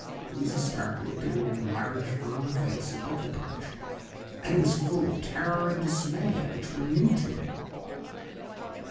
Louisa Stark looked at her own large, firm face above the brooch and it was full of terror and dismay which were new to it.